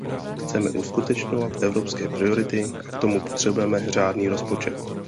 Chceme uskutečňovat evropské priority a k tomu potřebujeme řádný rozpočet.